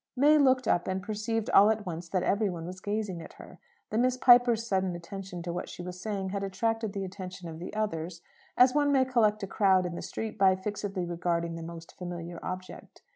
May looked up, and perceived all at once that every one was gazing at her. The Miss Pipers' sudden attention to what she was saying had attracted the attention of the others as one may collect a crowd in the street by fixedly regarding the most familiar object.